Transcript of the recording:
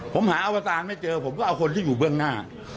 ผมหาอวตารไม่เจอผมก็เอาคนที่อยู่เบื้องหน้า